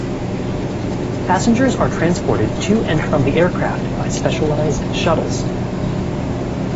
Passengers are transported to and from the aircraft by specialized shuttles.